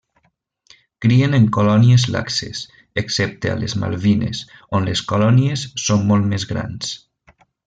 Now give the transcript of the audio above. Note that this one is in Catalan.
Crien en colònies laxes, excepte a les Malvines, on les colònies són molt més grans.